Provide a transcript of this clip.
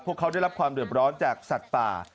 ทุกท่านได้รับความเดี่ยวร้อนจากสัตว์ป่า